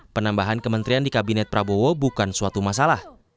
penambahan kementerian di kabinet prabowo bukan suatu masalah